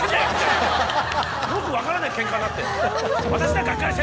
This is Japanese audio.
よく分からないケンカになって。